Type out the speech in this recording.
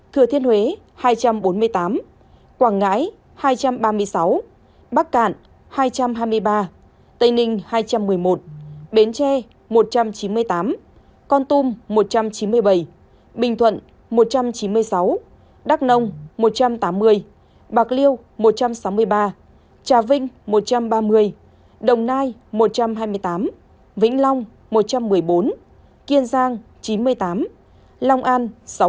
thừa thiên huế hai trăm bốn mươi tám quảng ngãi hai trăm ba mươi sáu bắc cạn hai trăm hai mươi ba tây ninh hai trăm một mươi một bến tre một trăm chín mươi tám con tum một trăm chín mươi bảy bình thuận một trăm chín mươi sáu đắk nông một trăm tám mươi bạc liêu một trăm sáu mươi ba trà vinh một trăm ba mươi đồng nai một trăm hai mươi tám vĩnh long một trăm một mươi bốn kiên giang chín mươi tám long an sáu mươi